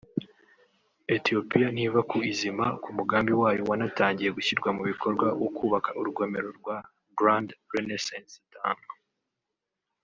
Ethiopia ntiva ku izima ku mugambi wayo wanatangiye gushyirwa mu bikorwa wo kubaka urugomero rwa “Grand Renaissance Dam”